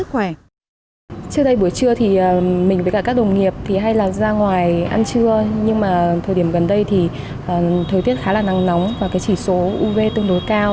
trước đây buổi trưa thì mình với các đồng nghiệp hay ra ngoài ăn trưa nhưng mà thời tiết gần đây thì thời tiết khá là nắng nóng và chỉ số uv tương đối cao